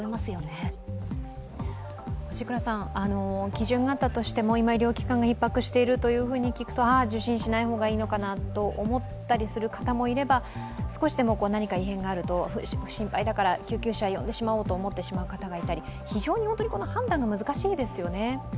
基準があったとしても今、医療機関がひっ迫していると聞くと受診しない方がいいのかなと思ったりする方もいれば、少しでも何か異変があると、心配だから、救急車呼んでしまおうと思ってしまう方がいたり非常に判断が難しいですよね。